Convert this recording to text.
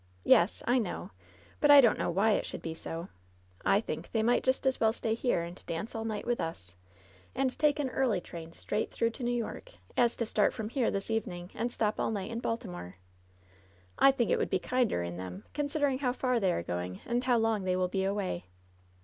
'^es, I know; but I don't know why it should be so. LOVE'S BITTEREST CUP 77 I think they might just as well stay here and dance all night with ns, and take an early train straight through to New York, as to start from here this evening and stop all night in Baltimore. I think it would be kinder in them, considering how far they are going, and how long they will be away."